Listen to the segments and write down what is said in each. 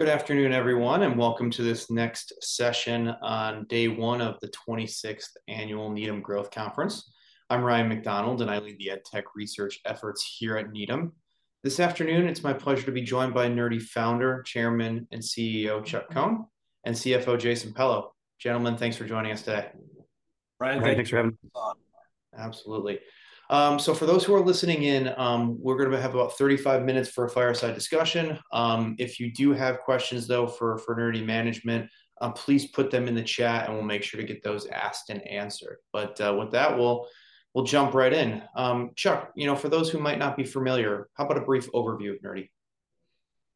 Good afternoon, everyone, and welcome to this next session on day one of the twenty-sixth Annual Needham Growth Conference. I'm Ryan MacDonald, and I lead the edtech research efforts here at Needham. This afternoon, it's my pleasure to be joined by Nerdy Founder, Chairman, and CEO, Chuck Cohn, and CFO, Jason Pello. Gentlemen, thanks for joining us today. Ryan, thanks. Great. Thanks for having us. Absolutely. So for those who are listening in, we're gonna have about 35 minutes for a fireside discussion. If you do have questions, though, for Nerdy management, please put them in the chat, and we'll make sure to get those asked and answered. But with that, we'll jump right in. Chuck, you know, for those who might not be familiar, how about a brief overview of Nerdy?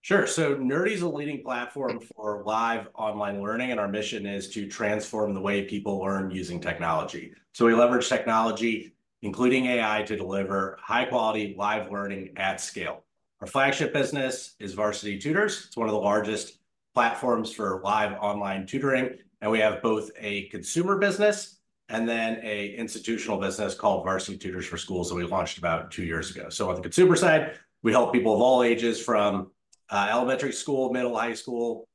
Sure. So Nerdy is a leading platform for live online learning, and our mission is to transform the way people learn using technology. So we leverage technology, including AI, to deliver high-quality live learning at scale. Our flagship business is Varsity Tutors. It's one of the largest platforms for live online tutoring, and we have both a consumer business and then an institutional business called Varsity Tutors for Schools that we launched about 2 years ago. So on the consumer side, we help people of all ages from elementary school, middle, high school,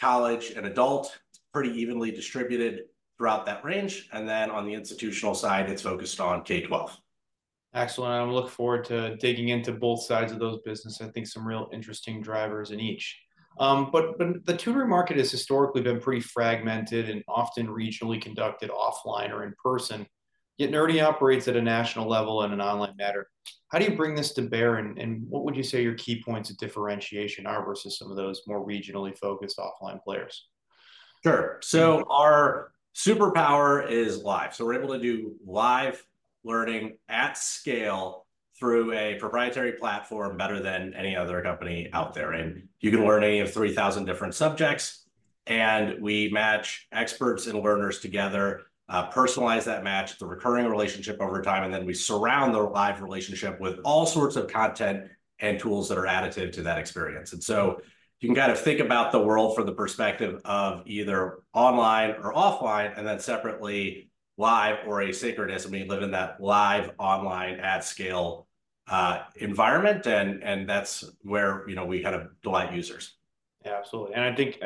college, and adult. It's pretty evenly distributed throughout that range, and then on the institutional side, it's focused on K-12. Excellent! I look forward to digging into both sides of those business. I think some real interesting drivers in each. But the tutoring market has historically been pretty fragmented and often regionally conducted offline or in person, yet Nerdy operates at a national level and an online manner. How do you bring this to bear, and what would you say are your key points of differentiation are versus some of those more regionally focused offline players? Sure. So our superpower is live. So we're able to do live learning at scale through a proprietary platform better than any other company out there, and you can learn any of 3,000 different subjects, and we match experts and learners together, personalize that match, the recurring relationship over time, and then we surround the live relationship with all sorts of content and tools that are additive to that experience. And so you can think about the world from the perspective of either online or offline, and then separately, live or asynchronous, and we live in that live online at-scale environment, and that's where, you know, we delight users. Absolutely. And I think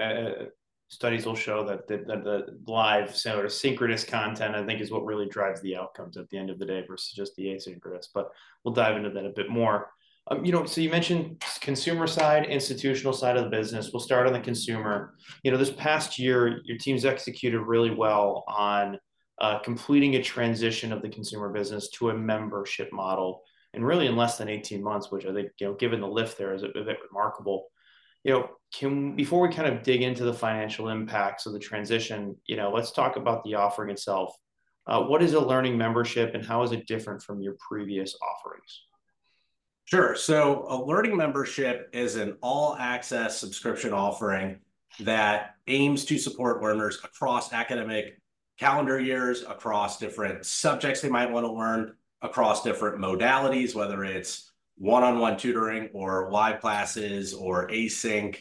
studies will show that the live synchronous content, I think, is what really drives the outcomes at the end of the day versus just the asynchronous, but we'll dive into that a bit more. You know, so you mentioned consumer side, institutional side of the business. We'll start on the consumer. You know, this past year, your team's executed really well on completing a transition of the consumer business to a membership model, and really, in less than 18 months, which I think, you know, given the lift there, is a bit remarkable. You know, Before we dig into the financial impacts of the transition, you know, let's talk about the offering itself. What is a Learning Membership, and how is it different from your previous offerings? Sure. So a Learning Membership is an all-access subscription offering that aims to support learners across academic calendar years, across different subjects they might want to learn, across different modalities, whether it's one-on-one tutoring or live classes, or async,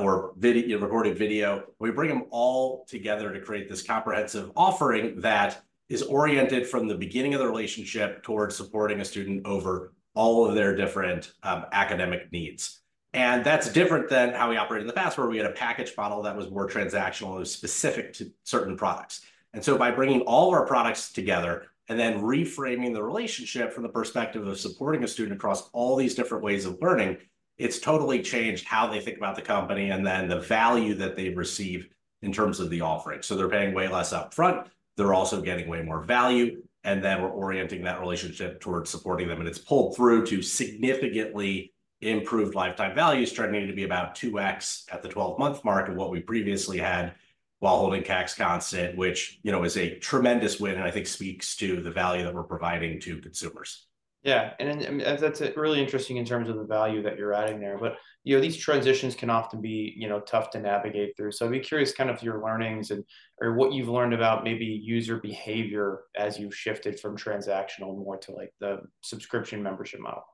or recorded video. We bring them all together to create this comprehensive offering that is oriented from the beginning of the relationship towards supporting a student over all of their different academic needs. And that's different than how we operated in the past, where we had a package model that was more transactional and specific to certain products. And so by bringing all of our products together and then reframing the relationship from the perspective of supporting a student across all these different ways of learning, it's totally changed how they think about the company and then the value that they've received in terms of the offering. So they're paying way less upfront. They're also getting way more value, and then we're orienting that relationship towards supporting them, and it's pulled through to significantly improved lifetime value, starting to be about 2x at the 12-month mark of what we previously had while holding CACs constant, which, you know, is a tremendous win, and I think speaks to the value that we're providing to consumers. And that's really interesting in terms of the value that you're adding there. But, you know, these transitions can often be, you know, tough to navigate through. So I'd be curious your learnings and, or what you've learned about maybe user behavior as you've shifted from transactional more to, like, the subscription membership model.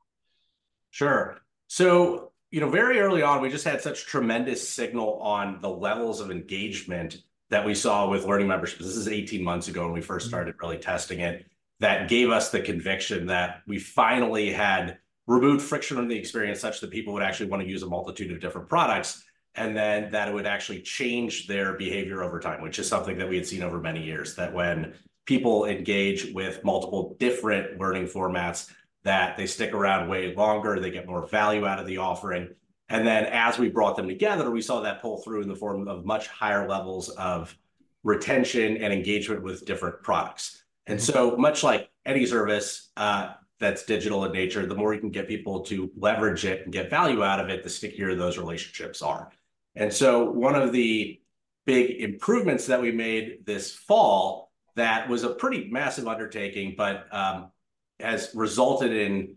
Sure. So, you know, very early on, we just had such tremendous signal on the levels of engagement that we saw with Learning Membership. This is eighteen months ago, when we first- Mm-hmm Started really testing it. That gave us the conviction that we finally had removed friction from the experience such that people would actually want to use a multitude of different products, and then that it would actually change their behavior over time, which is something that we had seen over many years. That when people engage with multiple different learning formats, that they stick around way longer, they get more value out of the offering. And then, as we brought them together, we saw that pull through in the form of much higher levels of retention and engagement with different products. Mm-hmm. Much like any service that's digital in nature, the more you can get people to leverage it and get value out of it, the stickier those relationships are. One of the big improvements that we made this fall, that was a pretty massive undertaking, but has resulted in,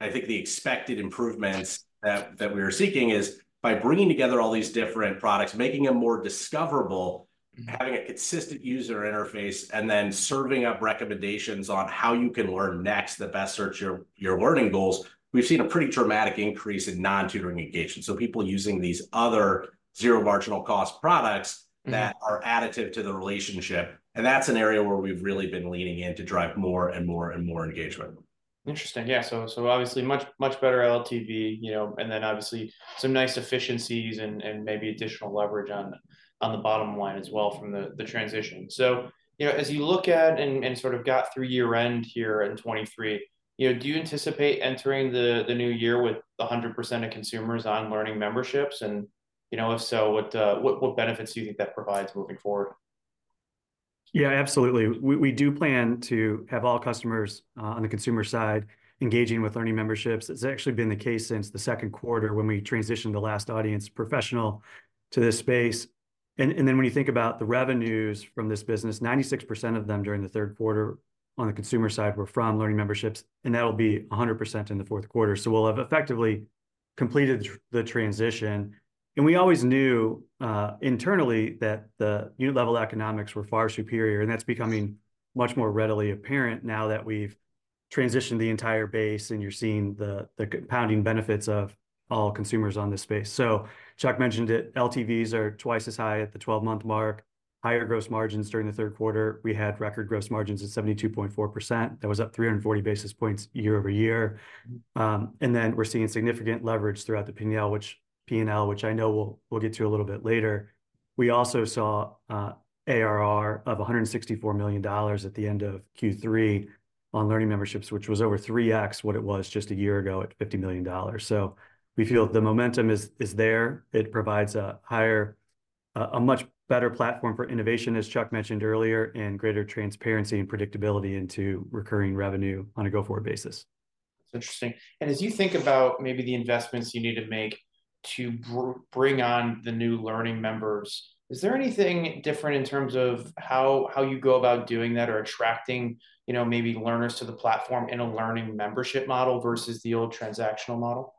I think, the expected improvements that we were seeking, is by bringing together all these different products, making them more discoverable- Mm-hmm Having a consistent user interface, and then serving up recommendations on how you can learn next that best serve your learning goals. We've seen a pretty dramatic increase in non-tutoring engagement, so people using these other zero marginal cost products- Mm-hmm That are additive to the relationship, and that's an area where we've really been leaning in to drive more and more and more engagement. Interesting. so obviously much, much better LTV, you know, and then obviously some nice efficiencies and, and maybe additional leverage on, on the bottom line from the, the transition. So, you know, as you look at and, and got through year-end here in 2023, you know, do you anticipate entering the, the new year with 100% of consumers on Learning Memberships? And, you know, if so, what, what, what benefits do you think that provides moving forward? Absolutely. We, we do plan to have all customers on the consumer side engaging with Learning Memberships. It's actually been the case since the Q2 when we transitioned the last audience professional to this space. And then when you think about the revenues from this business, 96% of them during the Q3 on the consumer side were from Learning Memberships, and that'll be 100% in the Q4. So we'll have effectively completed the transition. And we always knew internally that the unit-level economics were far superior, and that's becoming much more readily apparent now that we've transitioned the entire base, and you're seeing the compounding benefits of all consumers on this space. So Chuck mentioned it, LTVs are twice as high at the 12-month mark. Higher gross margins during the Q3. We had record gross margins at 72.4%. That was up 340 basis points year-over-year. And then we're seeing significant leverage throughout the P&L, which I know we'll get to a little bit later. We also saw ARR of $164 million at the end of Q3 on Learning Memberships, which was over 3x what it was just a year ago at $50 million. So we feel the momentum is there. It provides a higher, a much better platform for innovation, as Chuck mentioned earlier, and greater transparency and predictability into recurring revenue on a go-forward basis. It's interesting. As you think about maybe the investments you need to make to bring on the new learning members, is there anything different in terms of how you go about doing that or attracting, you know, maybe learners to the platform in a learning membership model versus the old transactional model?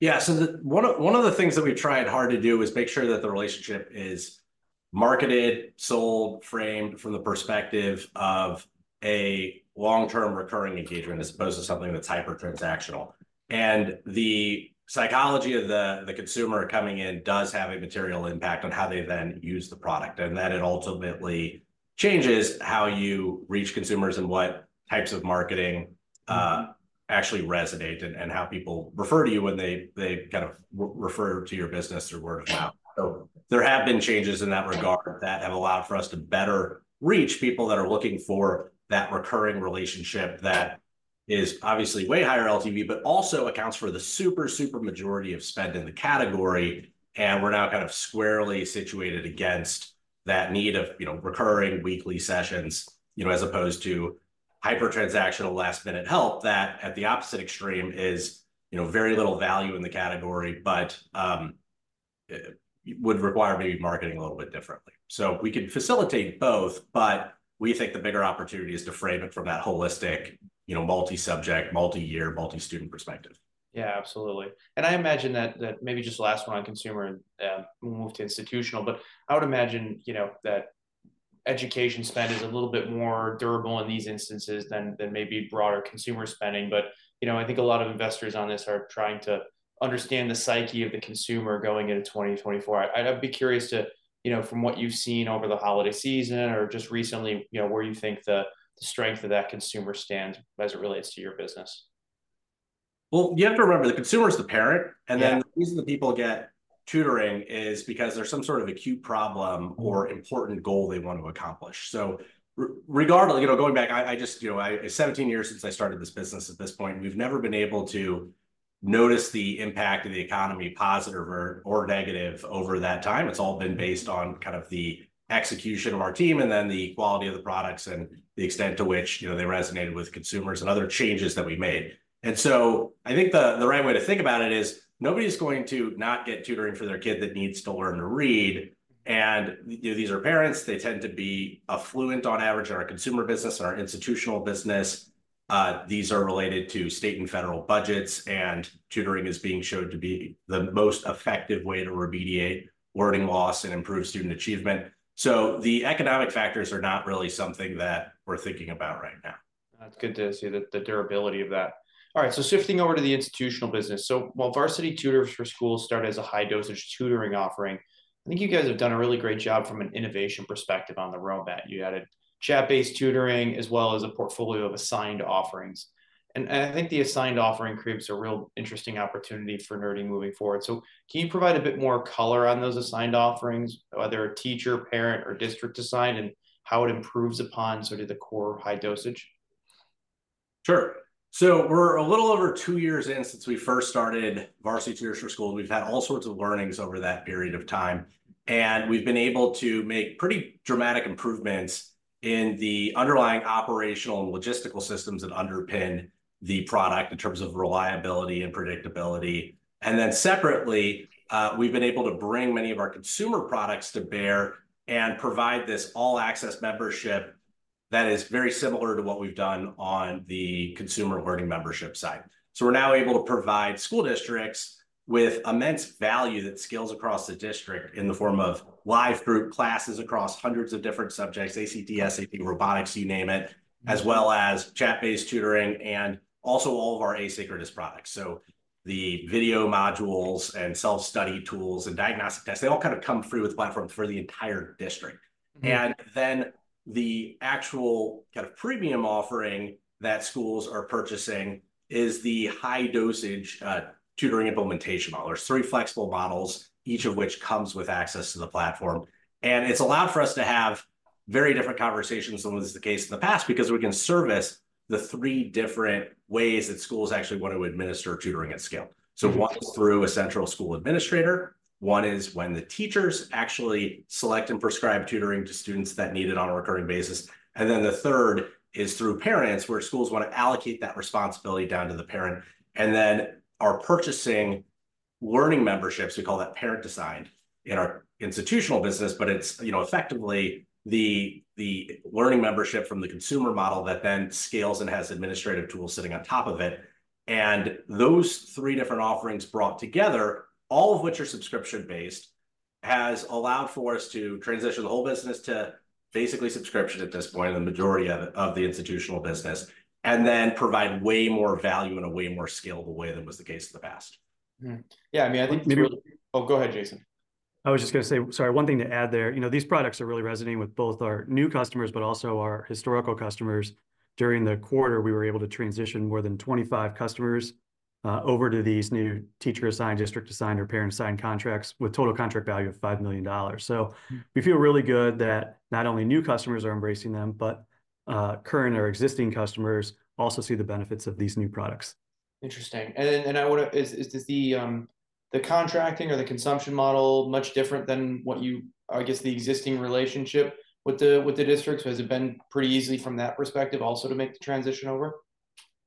One of the things that we tried hard to do is make sure that the relationship is marketed, sold, framed from the perspective of a long-term recurring engagement, as opposed to something that's hyper-transactional. The psychology of the consumer coming in does have a material impact on how they then use the product, and that it ultimately changes how you reach consumers and what types of marketing actually resonate, and how people refer to you when they refer to your business through word of mouth. There have been changes in that regard that have allowed for us to better reach people that are looking for that recurring relationship that is obviously way higher LTV, but also accounts for the super, super majority of spend in the category. We're now squarely situated against that need of, you know, recurring weekly sessions, you know, as opposed to hyper-transactional, last-minute help that at the opposite extreme is, you know, very little value in the category, but would require maybe marketing a little bit differently. We could facilitate both, but we think the bigger opportunity is to frame it from that holistic, you know, multi-subject, multi-year, multi-student perspective. Absolutely. And I imagine that maybe just last one on consumer and we'll move to institutional, but I would imagine, you know, that education spend is a little bit more durable in these instances than maybe broader consumer spending. But, you know, I think a lot of investors on this are trying to understand the psyche of the consumer going into 2024. I'd be curious to, you know, from what you've seen over the holiday season or just recently, you know, where you think the strength of that consumer stands as it relates to your business. You have to remember, the consumer is the parent. Yeah. The reason that people get tutoring is because there's some acute problem- Mm-hmm. or important goal they want to accomplish. So regardless, you know, going back, I just, you know, 17 years since I started this business, at this point, we've never been able to notice the impact of the economy, positive or negative, over that time. It's all been based on the execution of our team and then the quality of the products and the extent to which, you know, they resonated with consumers and other changes that we made. And so I think the right way to think about it is nobody's going to not get tutoring for their kid that needs to learn to read, and, you know, these are parents. They tend to be affluent on average in our consumer business, in our institutional business. These are related to state and federal budgets, and tutoring is being shown to be the most effective way to remediate learning loss and improve student achievement. So the economic factors are not really something that we're thinking about right now. That's good to see the durability of that. All right, so shifting over to the institutional business. So while Varsity Tutors for Schools started as a high-dosage tutoring offering, I think you guys have done a really great job from an innovation perspective on the roadmap. You added chat-based tutoring, as a portfolio of assigned offerings. And, and I think the assigned offering creates a real interesting opportunity for Nerdy moving forward. So can you provide a bit more color on those assigned offerings, whether a teacher, parent, or district assigned, and how it improves upon the core high-dosage? Sure. So we're a little over two years in since we first started Varsity Tutors for Schools. We've had all sorts of learnings over that period of time, and we've been able to make pretty dramatic improvements in the underlying operational and logistical systems that underpin the product in terms of reliability and predictability. And then separately, we've been able to bring many of our consumer products to bear and provide this all-access membership that is very similar to what we've done on the consumer learning membership side. So we're now able to provide school districts with immense value that scales across the district in the form of live group classes across hundreds of different subjects: ACT, SAT, robotics, you name it, as chat-based tutoring and also all of our asynchronous products. So the video modules and self-study tools and diagnostic tests, they all come free with the platform for the entire district and then the actual premium offering that schools are purchasing is the high dosage tutoring implementation model. There's three flexible models, each of which comes with access to the platform, and it's allowed for us to have very different conversations than was the case in the past, because we can service the three different ways that schools actually want to administer tutoring at scale. Mm-hmm. So one is through a central school administrator, one is when the teachers actually select and prescribe tutoring to students that need it on a recurring basis, and then the third is through parents, where schools want to allocate that responsibility down to the parent. And then our purchasing Learning Memberships, we call that parent-designed in our institutional business, but it's, you know, effectively the learning membership from the consumer model that then scales and has administrative tools sitting on top of it. And those three different offerings brought together, all of which are subscription-based, has allowed for us to transition the whole business to basically subscription at this point, and the majority of the institutional business, and then provide way more value in a way more scalable way than was the case in the past. Mm-hmm. I mean, I think- Maybe- Go ahead, Jason. I was just gonna say, sorry, one thing to add there, you know, these products are really resonating with both our new customers, but also our historical customers. During the quarter, we were able to transition more than 25 customers over to these new teacher-assigned, district-assigned, or parent-assigned contracts with total contract value of $5 million. So we feel really good that not only new customers are embracing them, but current or existing customers also see the benefits of these new products. Interesting. And then I wonder, does the contracting or the consumption model much different than what you or I guess the existing relationship with the districts? Or has it been pretty easy from that perspective also to make the transition over?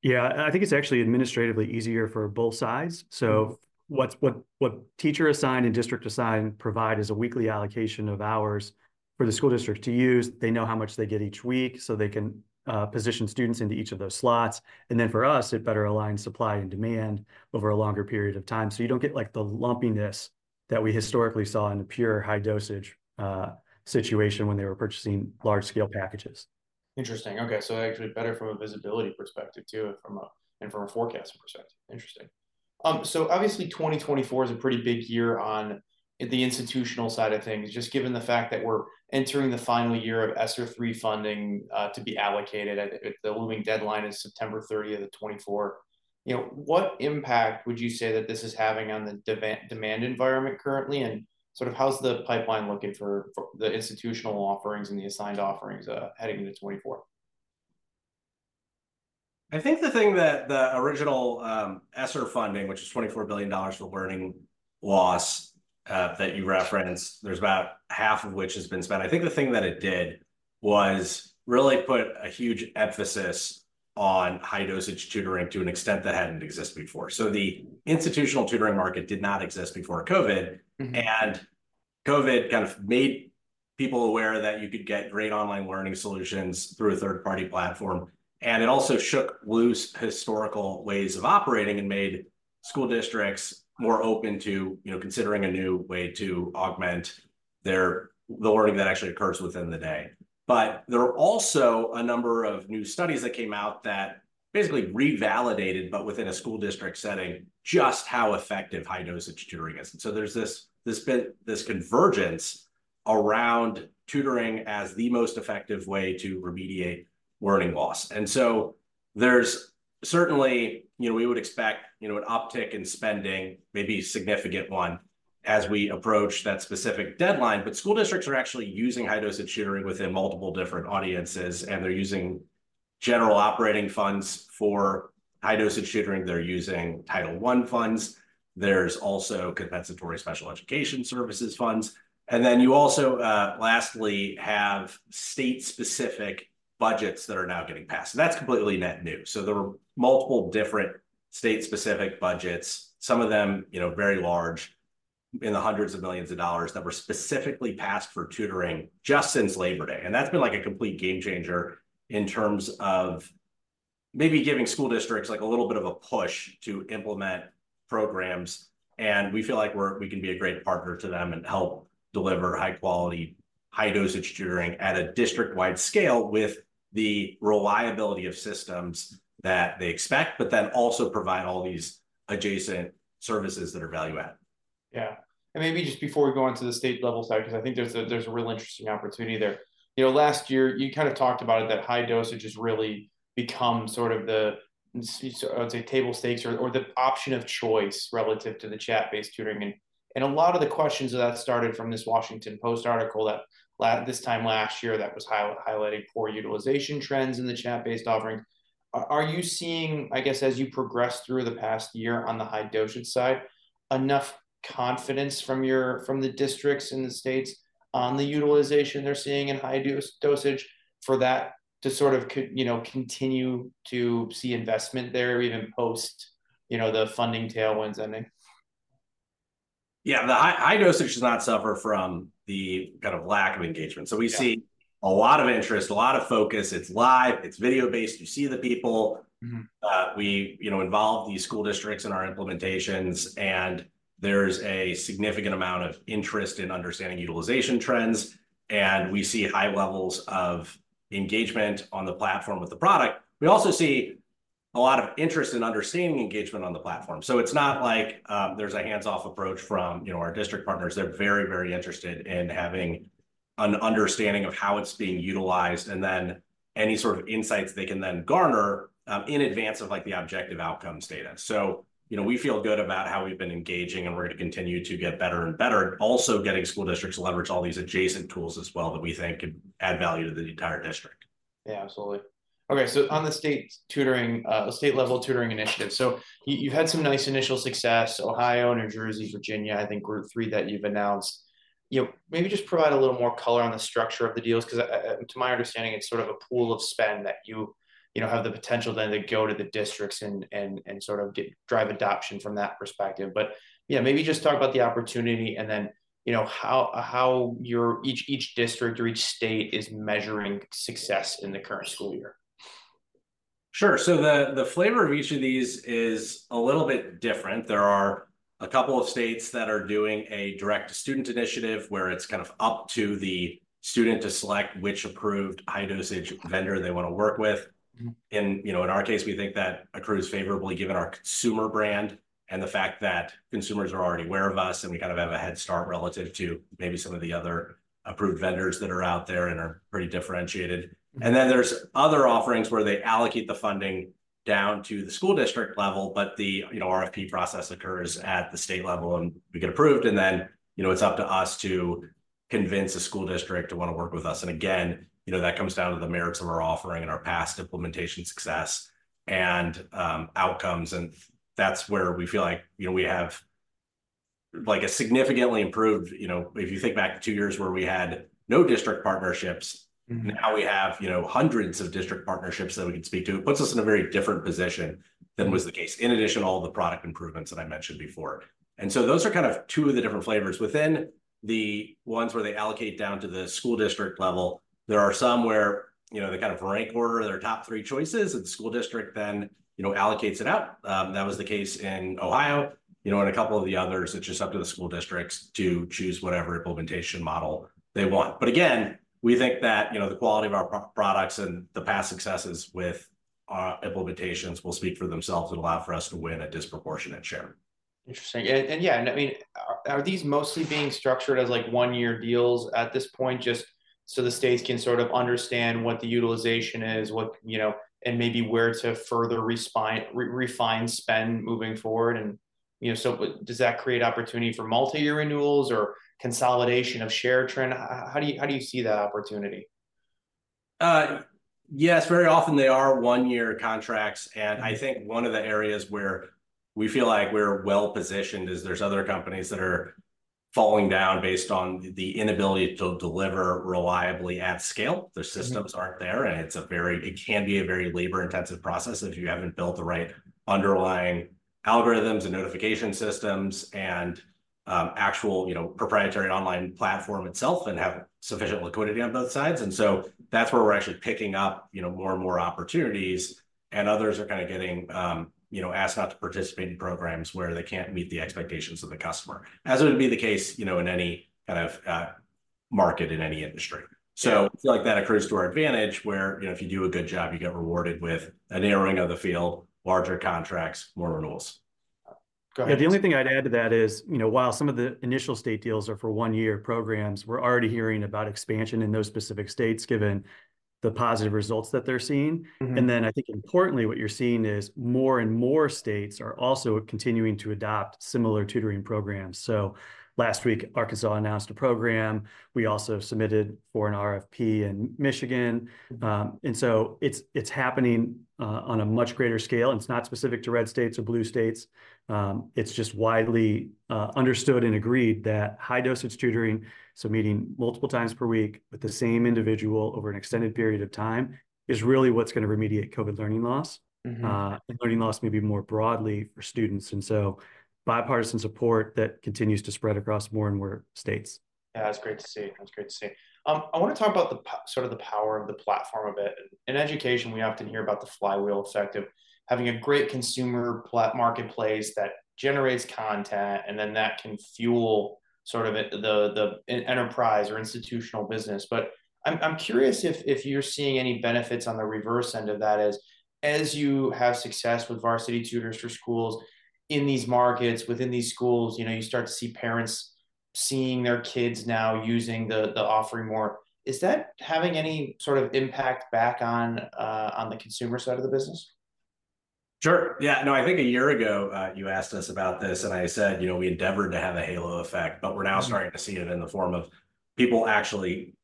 I think it's actually administratively easier for both sides. Mm-hmm. So what teacher-assigned and district-assigned provide is a weekly allocation of hours for the school district to use. They know how much they get each week, so they can position students into each of those slots. And then for us, it better aligns supply and demand over a longer period of time, so you don't get, like, the lumpiness that we historically saw in a pure high-dosage situation when they were purchasing large-scale packages. Interesting. Okay, so actually better from a visibility perspective too, and from a, and from a forecasting perspective. Interesting. So obviously 2024 is a pretty big year on the institutional side of things, just given the fact that we're entering the final year of ESSER III funding to be allocated. And the looming deadline is September 30th of 2024. You know, what impact would you say that this is having on the demand environment currently? And how's the pipeline looking for the institutional offerings and the assigned offerings heading into 2024? I think the thing that the original ESSER funding, which is $24 billion for learning loss, that you referenced, there's about half of which has been spent. I think the thing that it did was really put a huge emphasis on high-dosage tutoring to an extent that hadn't existed before. So the institutional tutoring market did not exist before COVID. Mm-hmm. COVID made people aware that you could get great online learning solutions through a third-party platform, and it also shook loose historical ways of operating and made school districts more open to, you know, considering a new way to augment their the learning that actually occurs within the day. There are also a number of new studies that came out that basically revalidated but within a school district setting, just how effective high-dosage tutoring is. So there's this convergence around tutoring as the most effective way to remediate learning loss. So there's certainly.. You know, we would expect, you know, an uptick in spending, maybe a significant one, as we approach that specific deadline. School districts are actually using high-dosage tutoring within multiple different audiences, and they're using general operating funds for high-dosage tutoring. They're using Title I funds. There's also Compensatory Special Education Services funds. And then you also, lastly, have state-specific budgets that are now getting passed, and that's completely net new. So there are multiple different state-specific budgets, some of them, you know, very large, in the $100s of millions, that were specifically passed for tutoring just since Labor Day. And that's been, like, a complete game changer in terms of maybe giving school districts like a little bit of a push to implement programs, and we feel like we can be a great partner to them and help deliver high-quality, high-dosage tutoring at a district-wide scale with the reliability of systems that they expect, but then also provide all these adjacent services that are value add. And maybe just before we go onto the state level side, because I think there's a real interesting opportunity there. You know, last year, you talked about it, that high dosage has really become the, I would say, table stakes or, or the option of choice relative to the chat-based tutoring. And a lot of the questions that started from this Washington Post article that this time last year was highlighting poor utilization trends in the chat-based offerings. Are you seeing, I guess, as you progress through the past year on the high-dosage side, enough confidence from the districts and the states on the utilization they're seeing in high-dosage for that to you know, continue to see investment there even post, you know, the funding tailwinds ending? The high, high dosage does not suffer from the lack of engagement. Yeah. So we see a lot of interest, a lot of focus. It's live, it's video-based. You see the people. Mm-hmm. We, you know, involve the school districts in our implementations, and there's a significant amount of interest in understanding utilization trends, and we see high levels of engagement on the platform with the product. We also see a lot of interest in understanding engagement on the platform. So it's not like there's a hands-off approach from, you know, our district partners. They're very, very interested in having an understanding of how it's being utilized, and then any insights they can then garner in advance of, like, the objective outcomes data. So, you know, we feel good about how we've been engaging, and we're gonna continue to get better and better. Also, getting school districts to leverage all these adjacent tools, that we think could add value to the entire district. Absolutely. Okay, so on the state tutoring, the state-level tutoring initiative, so you've had some nice initial success, Ohio, New Jersey, Virginia, I think group three that you've announced. You know, maybe just provide a little more color on the structure of the deals, 'cause to my understanding, it's a pool of spend that you, you know, have the potential then to go to the districts and drive adoption from that perspective. But maybe just talk about the opportunity and then, you know, how each district or each state is measuring success in the current school year. Sure. So the flavor of each of these is a little bit different. There are a couple of states that are doing a direct-to-student initiative, where it's up to the student to select which approved high-dosage vendor they wanna work with. Mm-hmm. You know, in our case, we think that accrues favorably, given our consumer brand and the fact that consumers are already aware of us, and we have a head start relative to maybe some of the other approved vendors that are out there and are pretty differentiated. Mm-hmm. And then, there's other offerings where they allocate the funding down to the school district level, but the, you know, RFP process occurs at the state level, and we get approved, and then, you know, it's up to us to convince the school district to wanna work with us. And again, you know, that comes down to the merits of our offering and our past implementation success and, outcomes, and that's where we feel like, you know, we have, like, a significantly improved. You know, if you think back two years where we had no district partnerships- Mm-hmm. Now we have, you know, hundreds of district partnerships that we can speak to. It puts us in a very different position. Mm than was the case, in addition to all the product improvements that I mentioned before. And so those are two of the different flavors. Within the ones where they allocate down to the school district level, there are some where, you know, they rank order their top three choices, and the school district then, you know, allocates it out. That was the case in Ohio. You know, in a couple of the others, it's just up to the school districts to choose whatever implementation model they want. But again, we think that, you know, the quality of our products and the past successes with our implementations will speak for themselves and allow for us to win a disproportionate share. Interesting. And I mean, are these mostly being structured as, like, one-year deals at this point, just so the states can understand what the utilization is, what you know, and maybe where to further refine spend moving forward? And, you know, so but does that create opportunity for multi-year renewals or consolidation of share trend? How do you see that opportunity? Yes, very often they are one-year contracts. Mm-hmm. I think one of the areas where we feel like we're well-positioned is, there's other companies that are falling down based on the inability to deliver reliably at scale. Mm-hmm. Their systems aren't there, and it can be a very labor-intensive process if you haven't built the right underlying algorithms and notification systems and actual, you know, proprietary online platform itself and have sufficient liquidity on both sides. And so that's where we're actually picking up, you know, more and more opportunities, and others are kinda getting, you know, asked not to participate in programs where they can't meet the expectations of the customer, as would be the case, you know, in market in any industry. Yeah. I feel like that accrues to our advantage, where, you know, if you do a good job, you get rewarded with a narrowing of the field, larger contracts, more renewals. Go ahead. The only thing I'd add to that is, you know, while some of the initial state deals are for one-year programs, we're already hearing about expansion in those specific states, given the positive results that they're seeing. Mm-hmm. And then, I think importantly, what you're seeing is more and more states are also continuing to adopt similar tutoring programs. Last week, Arkansas announced a program. We also submitted for an RFP in Michigan. And so it's happening on a much greater scale, and it's not specific to red states or blue states. It's just widely understood and agreed that high-dosage tutoring, so meeting multiple times per week with the same individual over an extended period of time, is really what's gonna remediate COVID learning loss- Mm-hmm And learning loss maybe more broadly for students. And so bipartisan support, that continues to spread across more and more states. That's great to see. That's great to see. I wanna talk about the power of the platform a bit. In education, we often hear about the flywheel effect of having a great consumer marketplace that generates content, and then that can fuel the enterprise or institutional business. But I'm curious if you're seeing any benefits on the reverse end of that, as you have success with Varsity Tutors for Schools in these markets, within these schools, you know, you start to see parents seeing their kids now using the offering more. Is that having any impact back on the consumer side of the business? Sure. No, I think a year ago, you asked us about this, and I said, you know, we endeavor to have a halo effect. Mm-hmm. But we're now starting to see it in the form of people actually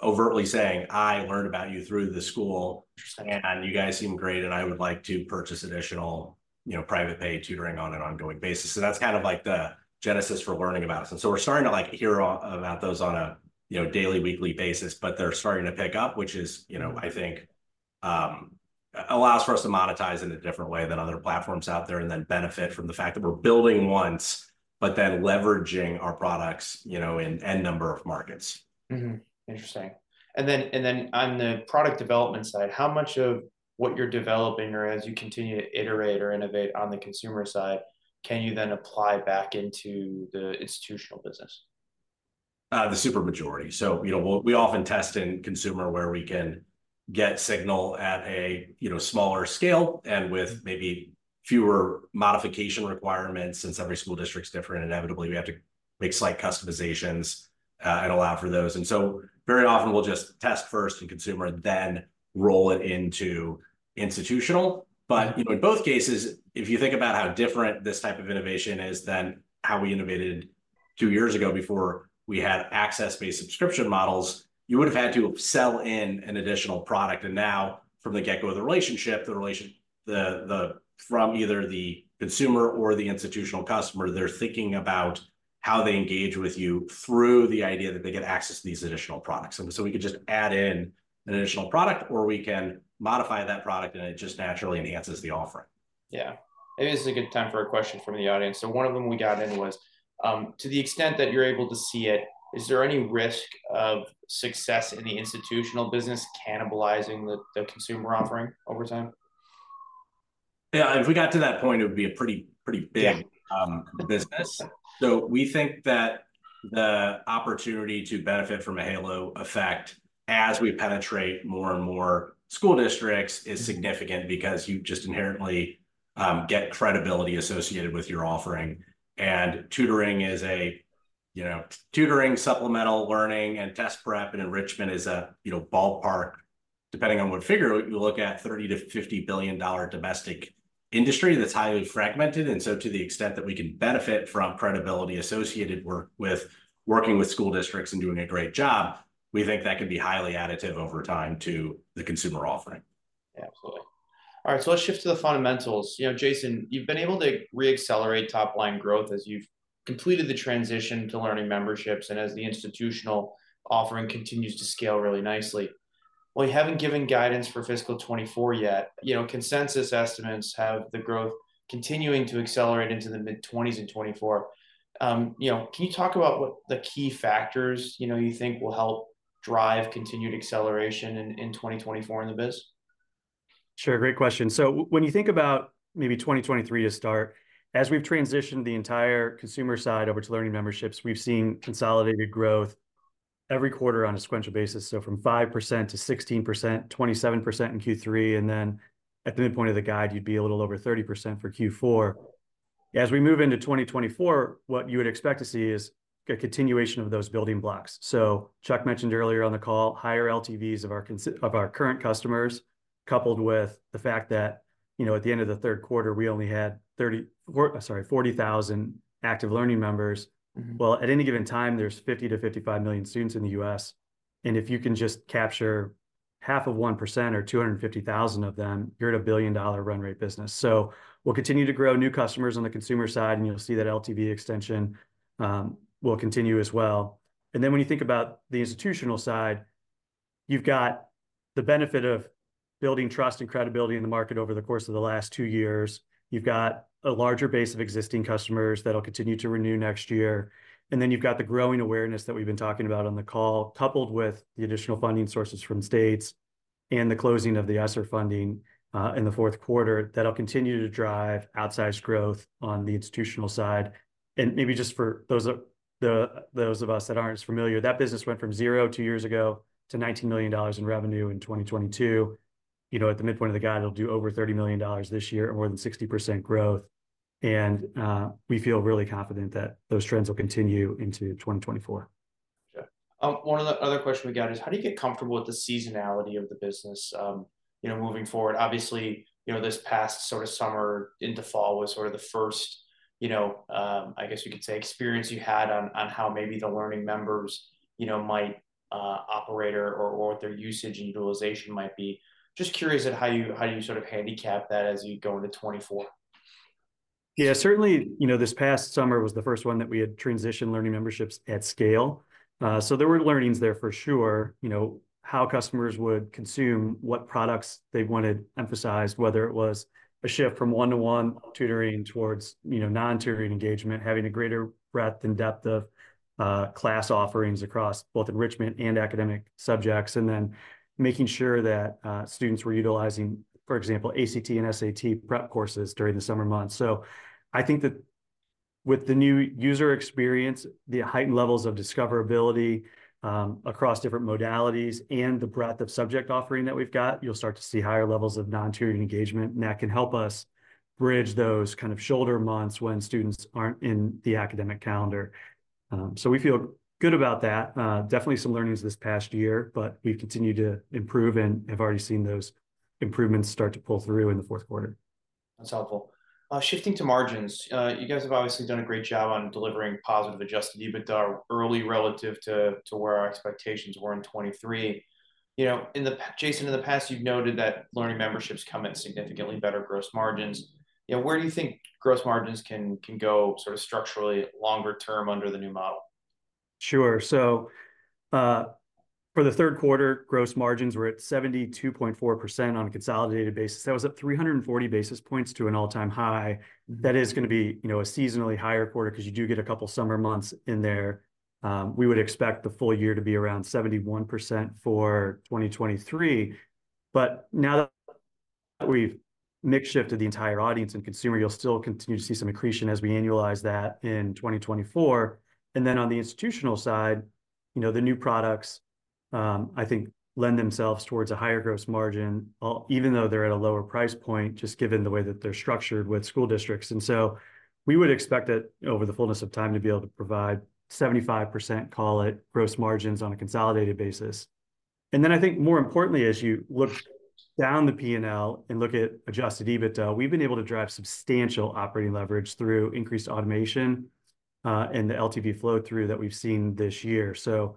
overtly saying: "I learned about you through the school- Interesting And you guys seem great, and I would like to purchase additional, you know, private paid tutoring on an ongoing basis." So that's like, the genesis for learning about us. And so we're starting to, like, hear about those on a, you know, daily, weekly basis. But they're starting to pick up, which is- Mm You know, I think, allows for us to monetize in a different way than other platforms out there and then benefit from the fact that we're building once, but then leveraging our products, you know, in n number of markets. Mm-hmm. Interesting. And then on the product development side, how much of what you're developing or as you continue to iterate or innovate on the consumer side, can you then apply back into the institutional business? The super majority. So, you know, we often test in consumer where we can get signal at a, you know, smaller scale and with maybe fewer modification requirements. Since every school district's different, inevitably we have to make slight customizations, and allow for those. And so very often we'll just test first in consumer, then roll it into institutional. But, you know, in both cases, if you think about how different this type of innovation is than how we innovated two years ago before we had access-based subscription models, you would've had to sell in an additional product. And now, from the get-go of the relationship, from either the consumer or the institutional customer, they're thinking about how they engage with you through the idea that they get access to these additional products. We could just add in an additional product, or we can modify that product, and it just naturally enhances the offering. Yeah. Maybe this is a good time for a question from the audience. So one of them we got in was: "To the extent that you're able to see it, is there any risk of success in the institutional business cannibalizing the consumer offering over time? If we got to that point, it would be a pretty, pretty big. Yeah Business. So we think that the opportunity to benefit from a halo effect as we penetrate more and more school districts is significant because you just inherently get credibility associated with your offering. And tutoring is a, you know- tutoring, supplemental learning, and test prep, and enrichment is a, you know, ballpark, depending on what figure you look at, $30 billion-$50 billion domestic industry that's highly fragmented. And so to the extent that we can benefit from credibility associated work- with working with school districts and doing a great job, we think that could be highly additive over time to the consumer offering. Absolutely. All right, so let's shift to the fundamentals. You know, Jason, you've been able to re-accelerate top-line growth as you've completed the transition to Learning Memberships and as the institutional offering continues to scale really nicely. While you haven't given guidance for fiscal 2024 yet, you know, consensus estimates have the growth continuing to accelerate into the mid-20s in 2024. You know, can you talk about what the key factors, you know, you think will help drive continued acceleration in 2024 in the biz? Sure. Great question. So when you think about maybe 2023 to start, as we've transitioned the entire consumer side over to Learning Memberships, we've seen consolidated growth every quarter on a sequential basis, so from 5% to 16%, 27% in Q3, and then at the midpoint of the guide, you'd be a little over 30% for Q4. As we move into 2024, what you would expect to see is a continuation of those building blocks. So Chuck mentioned earlier on the call, higher LTVs of our current customers, coupled with the fact that, you know, at the end of the Q3, we only had 40,000 active learning members. Mm-hmm. At any given time, there's 50-55 million students in the U.S., and if you can just capture half of 1% or 250,000 of them, you're at a billion-dollar run rate business. So we'll continue to grow new customers on the consumer side, and you'll see that LTV extension will continue. And then when you think about the institutional side, you've got the benefit of building trust and credibility in the market over the course of the last two years. You've got a larger base of existing customers that'll continue to renew next year. And then you've got the growing awareness that we've been talking about on the call, coupled with the additional funding sources from states and the closing of the ESSER funding in the Q4. That'll continue to drive outsized growth on the institutional side. Maybe just for those of the, those of us that aren't as familiar, that business went from 0 2 years ago to $19 million in revenue in 2022. You know, at the midpoint of the guide, it'll do over $30 million this year or more than 60% growth, and we feel really confident that those trends will continue into 2024. One of the other question we got is: How do you get comfortable with the seasonality of the business, you know, moving forward? Obviously, you know, this past summer into fall was the first, you know, I guess you could say, experience you had on how maybe the learning members, you know, might operate or what their usage and utilization might be. Just curious at how you handicap that as you go into 2024. Certainly, you know, this past summer was the first one that we had transitioned Learning Memberships at scale. So there were learnings there for sure, you know, how customers would consume, what products they wanted emphasized, whether it was a shift from one-to-one tutoring towards, you know, non-tutoring engagement, having a greater breadth and depth of class offerings across both enrichment and academic subjects, and then making sure that students were utilizing, for example, ACT and SAT prep courses during the summer months. So I think that with the new user experience, the heightened levels of discoverability across different modalities and the breadth of subject offering that we've got, you'll start to see higher levels of non-tutoring engagement, and that can help us bridge those shoulder months when students aren't in the academic calendar. So we feel good about that. Definitely some learnings this past year, but we've continued to improve and have already seen those improvements start to pull through in the Q4. That's helpful. Shifting to margins, you guys have obviously done a great job on delivering positive Adjusted EBITDA early relative to where our expectations were in 2023. You know, Jason, in the past, you've noted that Learning Memberships come at significantly better gross margins. You know, where do you think gross margins can go structurally longer term under the new model? Sure. So, for the Q3, gross margins were at 72.4% on a consolidated basis. That was up 340 basis points to an all-time high. That is gonna be, you know, a seasonally higher quarter 'cause you do get a couple summer months in there. We would expect the full year to be around 71% for 2023, but now that we've mix shifted the entire audience and consumer. You'll still continue to see some accretion as we annualize that in 2024. And then on the institutional side, you know, the new products, I think lend themselves towards a higher gross margin, even though they're at a lower price point, just given the way that they're structured with school districts. So we would expect that over the fullness of time, to be able to provide 75%, call it, gross margins on a consolidated basis. And then I think more importantly, as you look down the P&L and look at Adjusted EBITDA, we've been able to drive substantial operating leverage through increased automation and the LTV flow-through that we've seen this year. So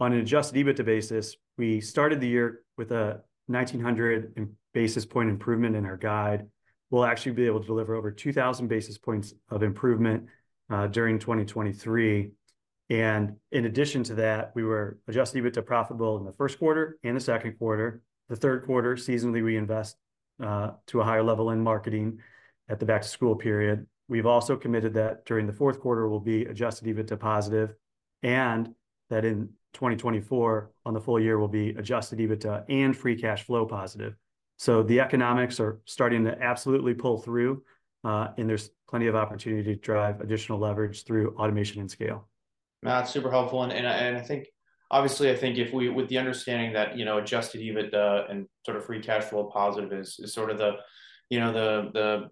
on an Adjusted EBITDA basis, we started the year with a 1,900 basis point improvement in our guide. We'll actually be able to deliver over 2,000 basis points of improvement during 2023. And in addition to that, we were Adjusted EBITDA profitable in the Q1 and the Q2. The Q3, seasonally, we invest to a higher level in marketing at the back to school period. We've also committed that during the Q4, we'll be Adjusted EBITDA positive, and that in 2024, on the full year, we'll be Adjusted EBITDA and free cash flow positive. So the economics are starting to absolutely pull through, and there's plenty of opportunity to drive additional leverage through automation and scale. That's super helpful. And I think—obviously, I think if we—with the understanding that, you know, Adjusted EBITDA and free cash flow positive is the, you know, the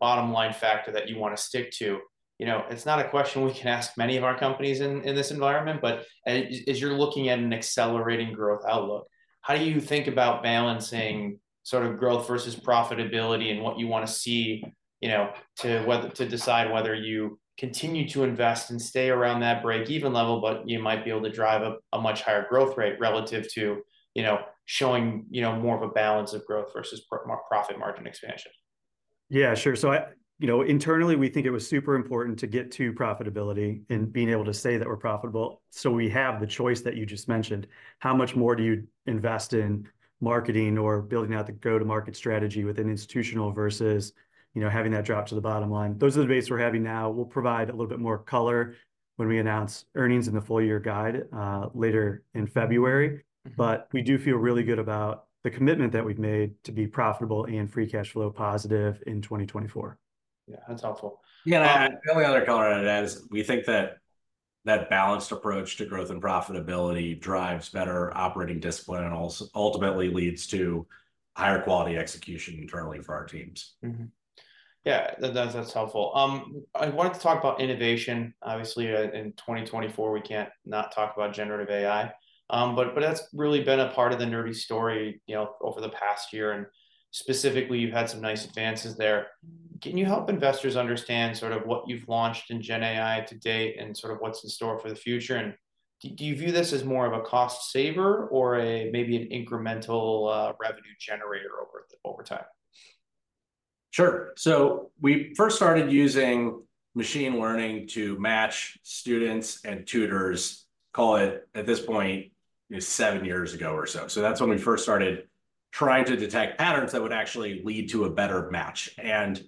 bottom line factor that you want to stick to. You know, it's not a question we can ask many of our companies in this environment, but as you're looking at an accelerating growth outlook, how do you think about balancing growth versus profitability and what you want to see, you know, to whether to decide whether you continue to invest and stay around that break-even level, but you might be able to drive a much higher growth rate relative to, you know, showing, you know, more of a balance of growth versus profit margin expansion? Sure. So, you know, internally, we think it was super important to get to profitability and being able to say that we're profitable, so we have the choice that you just mentioned. How much more do you invest in marketing or building out the go-to-market strategy within institutional versus, you know, having that drop to the bottom line? Those are the debates we're having now. We'll provide a little bit more color when we announce earnings in the full year guide later in February. But we do feel really good about the commitment that we've made to be profitable and free cash flow positive in 2024. That's helpful. The only other color I'd add is we think that that balanced approach to growth and profitability drives better operating discipline and also ultimately leads to higher quality execution internally for our teams. Mm-hmm. That, that's helpful. I wanted to talk about innovation. Obviously, in 2024, we can't not talk about Generative AI. But, but that's really been a part of the Nerdy story, you know, over the past year, and specifically, you've had some nice advances there. Can you help investors understand what you've launched in Gen AI to date and that's in store for the future? And do, do you view this as more of a cost saver or a maybe an incremental, revenue generator over, over time? Sure. So we first started using machine learning to match students and tutors, call it at this point, seven years ago or so. So that's when we first started trying to detect patterns that would actually lead to a better match. And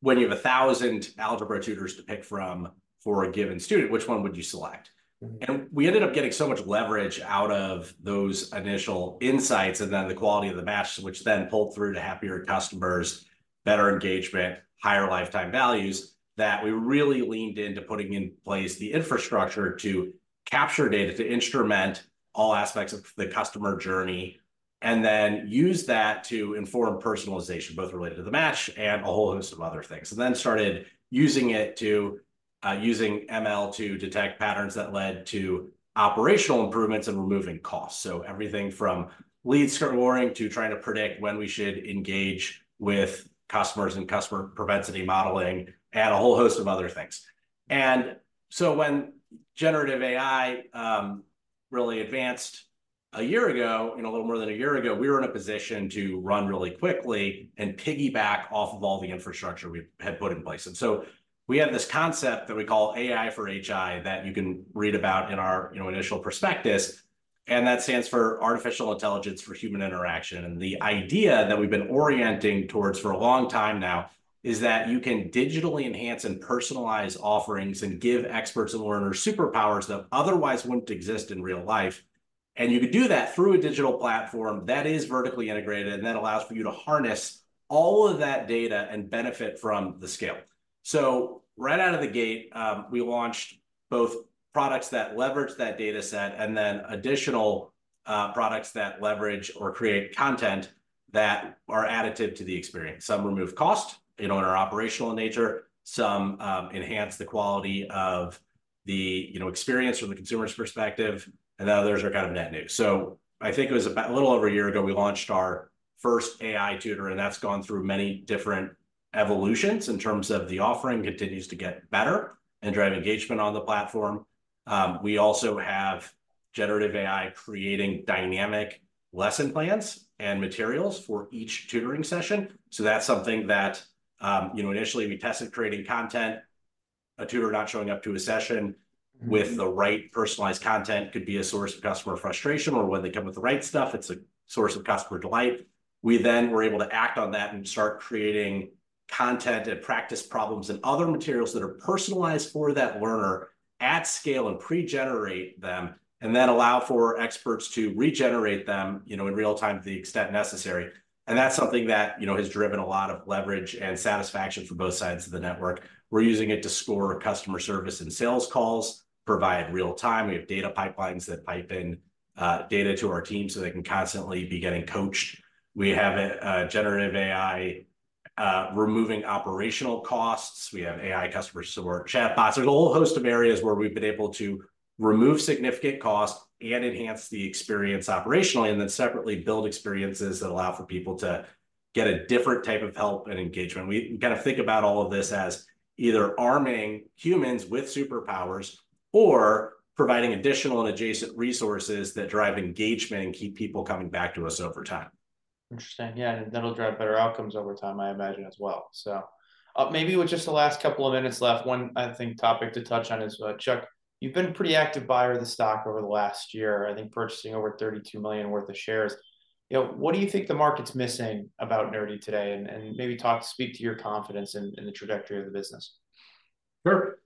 when you have 1,000 algebra tutors to pick from for a given student, which one would you select? Mm-hmm. We ended up getting so much leverage out of those initial insights, and then the quality of the matches, which then pulled through to happier customers, better engagement, higher lifetime values, that we really leaned into putting in place the infrastructure to capture data, to instrument all aspects of the customer journey, and then use that to inform personalization, both related to the match and a whole host of other things. And then started using it to, using ML to detect patterns that led to operational improvements and removing costs. So everything from lead scoring to trying to predict when we should engage with customers and customer propensity modeling and a whole host of other things. When Generative AI really advanced a year ago, you know, a little more than a year ago, we were in a position to run really quickly and piggyback off of all the infrastructure we had put in place. We have this concept that we call AI for HI, that you can read about in our, you know, initial prospectus, and that stands for Artificial Intelligence for Human Interaction. The idea that we've been orienting towards for a long time now is that you can digitally enhance and personalize offerings and give experts and learners superpowers that otherwise wouldn't exist in real life. You could do that through a digital platform that is vertically integrated and that allows for you to harness all of that data and benefit from the scale. So right out of the gate, we launched both products that leverage that data set and then additional products that leverage or create content that are additive to the experience. Some remove cost, you know, and are operational in nature. Some enhance the quality of the, you know, experience from the consumer's perspective, and others aren net new. So I think it was about a little over a year ago, we launched our first AI tutor, and that's gone through many different evolutions in terms of the offering, continues to get better and drive engagement on the platform. We also have generative AI creating dynamic lesson plans and materials for each tutoring session. So that's something that, you know, initially, we tested creating content. A tutor not showing up to a session. Mm-hmm with the right personalized content could be a source of customer frustration, or when they come with the right stuff, it's a source of customer delight. We then were able to act on that and start creating content and practice problems and other materials that are personalized for that learner at scale and pre-generate them, and then allow for experts to regenerate them, you know, in real time to the extent necessary. And that's something that, you know, has driven a lot of leverage and satisfaction from both sides of the network. We're using it to score customer service and sales calls, provide real time. We have data pipelines that pipe in data to our team so they can constantly be getting coached. We have a generative AI removing operational costs. We have AI customer support chatbots. There's a whole host of areas where we've been able to remove significant costs and enhance the experience operationally, and then separately build experiences that allow for people to get a different type of help and engagement. We think about all of this as either arming humans with superpowers or providing additional and adjacent resources that drive engagement and keep people coming back to us over time. Interesting. And that'll drive better outcomes over time, I imagine, So, maybe with just the last couple of minutes left, one, I think, topic to touch on is, Chuck, you've been a pretty active buyer of the stock over the last year, I think purchasing over $32 million worth of shares. You know, what do you think the market's missing about Nerdy today? And maybe speak to your confidence in the trajectory of the business. Sure.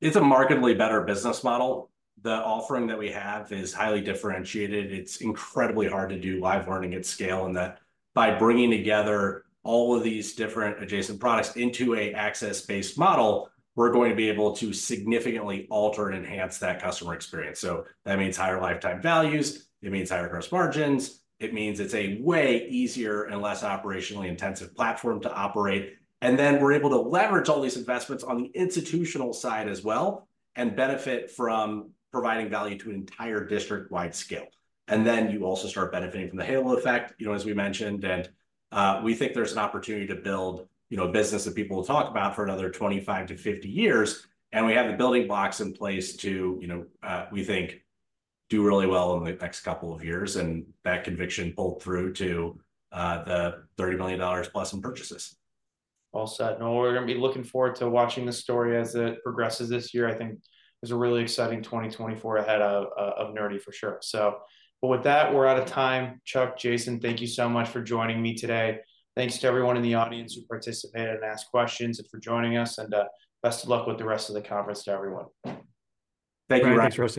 It's a markedly better business model. The offering that we have is highly differentiated. It's incredibly hard to do live learning at scale, and that by bringing together all of these different adjacent products into a access-based model, we're going to be able to significantly alter and enhance that customer experience. So that means higher lifetime values, it means higher gross margins, it means it's a way easier and less operationally intensive platform to operate. And then we're able to leverage all these investments on the institutional side and benefit from providing value to an entire district-wide scale. And then you also start benefiting from the halo effect, you know, as we mentioned, and, we think there's an opportunity to build, you know, a business that people will talk about for another 25-50 years. We have the building blocks in place to, you know, we think, do really well in the next couple of years, and that conviction pulled through to the $30 million plus in purchases. All set. No, we're gonna be looking forward to watching this story as it progresses this year. I think there's a really exciting 2024 ahead of Nerdy, for sure. So, but with that, we're out of time. Chuck, Jason, thank you so much for joining me today. Thanks to everyone in the audience who participated and asked questions and for joining us, and best of luck with the rest of the conference to everyone. Thank you, Ryan. Thanks.